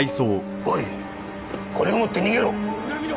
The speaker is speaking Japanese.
おいこれを持って逃げろ！